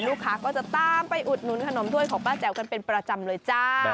ลูกค้าก็จะตามไปอุดหนุนขนมถ้วยของป้าแจ๋วกันเป็นประจำเลยจ้า